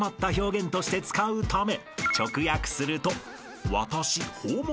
［直訳すると］